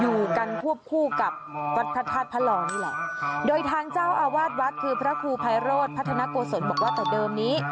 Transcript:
อยู่กันควบคู่กับวัดพระธาตุพระหล่อนี่แหละโดยทางเจ้าอาวาสวัดคือพระครูภัยโรธพัฒนาโกศลบอกว่าแต่เดิมนี้